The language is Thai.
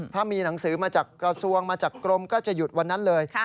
ถ้ามีหนังสือมาจากกระทรวงมาจากกรมก็จะหยุดวันนั้นเลย